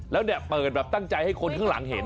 แล้วเปิดแบบตั้งใจให้คนหลังเห็น